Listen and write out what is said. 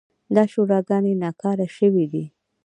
دا شوراګانې ناکاره شوې دي.